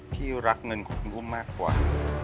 พี่รักเงินของคุณอุ้มมากกว่า